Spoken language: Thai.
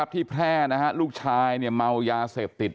ที่แพร่นะครับลูกชายเนี่ยเมายาเสพติด